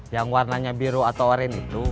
yang warnanya biru atau oren itu